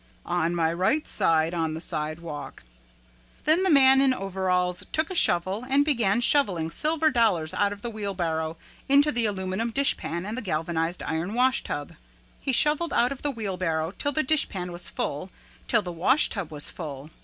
"On my right side on the sidewalk." Then the man in overalls took a shovel and began shoveling silver dollars out of the wheelbarrow into the aluminum dishpan and the galvanized iron washtub. He shoveled out of the wheelbarrow till the dishpan was full, till the washtub was full.